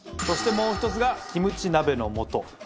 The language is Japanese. そしてもう１つがキムチ鍋の素。